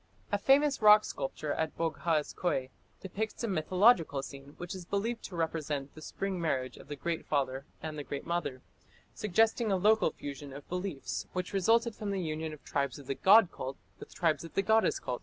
A famous rock sculpture at Boghaz Köi depicts a mythological scene which is believed to represent the Spring marriage of the Great Father and the Great Mother, suggesting a local fusion of beliefs which resulted from the union of tribes of the god cult with tribes of the goddess cult.